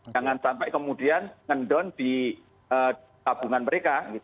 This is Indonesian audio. jangan sampai kemudian ngedon di tabungan mereka